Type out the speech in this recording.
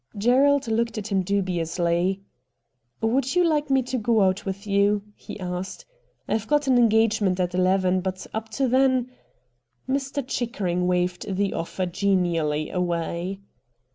Gerald looked at him dubiously. ' Would you like me to go out with you ?' he asked. ' I've got an engagement at eleven, but up to then ' Mr. Chickering waved the offer genially away.